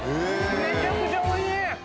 めちゃくちゃおいしい。